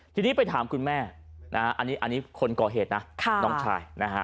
ทีนี้ไปถามคุณแม่อันนี้คนก่อเหตุนะน้องชายนะฮะ